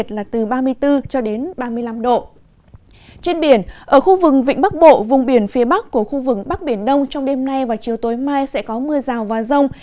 trên biển ở khu vực vịnh bắc bộ vùng biển phía bắc của khu vực bắc biển đông trong đêm nay và chiều tối mai sẽ có mưa rào và rông